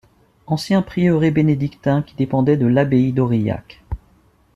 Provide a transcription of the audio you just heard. Ancien prieuré bénédictin qui dépendait de l'abbaye d'Aurillac.